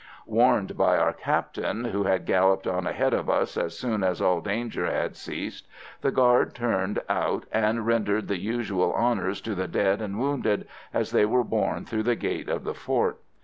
Warned by our Captain, who had galloped on ahead of us as soon as all danger had ceased, the guard turned out and rendered the usual honours to the dead and wounded as they were borne through the gate of the fort.